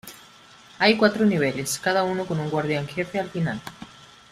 Hay cuatro niveles, cada uno con un Guardián Jefe al final.